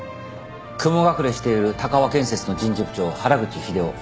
雲隠れしている鷹和建設の人事部長原口秀夫。